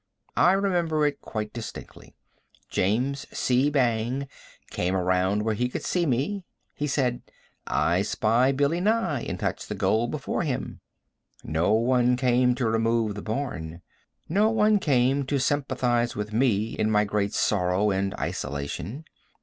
I remember it quite distinctly. James C. Bang came around where he could see me. He said: "I spy Billy Nye and touch the goal before him." No one came to remove the barn. No one came to sympathize with me in my great sorrow and isolation.